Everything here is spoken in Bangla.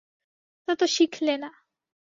তা তো শিখলে না।